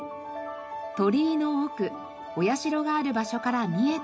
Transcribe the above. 鳥居の奥お社がある場所から見えたものは。